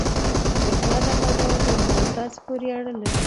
د هېواد ابادول په موږ او تاسو پورې اړه لري.